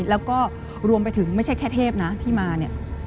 แล้วก็รวมไปถึงไม่ใช่แค่เทพนะที่มาเนี่ย